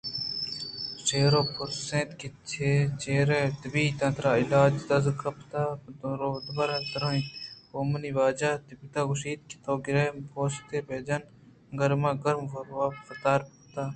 شیر ءَ پُرس اِت کہ چرے طبیباں ترا علاج دزکپت؟ روباہ ءَ درّائینت ہئو منی واجہ طبیباں گوٛشت کہ تو گُرکے ءِ پوست ءَ بہ جَن ءُ گرم ءَ گرم ءَ وتارا پَتا